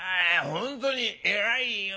本当に偉いよ。